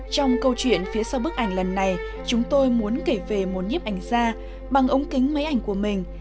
trong câu chuyện phía sau bức ảnh lần này chúng tôi muốn kể về một nhiếp ảnh ra bằng ống kính máy ảnh của mình